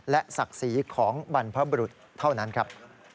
และศักดิ์ศรีของบรรพบรุษเท่านั้นครับ